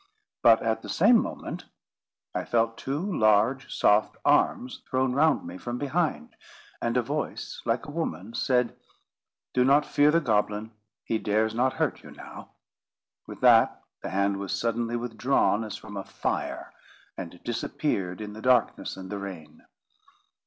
But, at the same moment, I felt two large soft arms thrown round me from behind; and a voice like a woman's said: "Do not fear the goblin; he dares not hurt you now." With that, the hand was suddenly withdrawn as from a fire, and disappeared in the darkness and the rain.